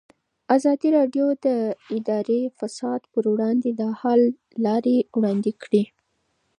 ازادي راډیو د اداري فساد پر وړاندې د حل لارې وړاندې کړي.